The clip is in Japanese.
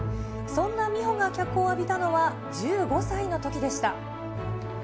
そんな美帆が脚光を浴びたのは、１５歳のときでした。